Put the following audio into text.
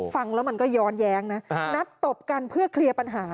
ฟังแล้วมันก็ย้อนแย้งนะนัดตบกันเพื่อเคลียร์ปัญหา